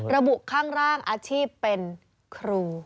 ระบุข้างร่างอาชีพเป็นครู